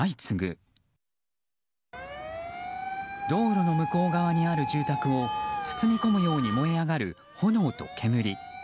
道路の向こう側にある住宅を包み込むように燃え上がる炎と煙。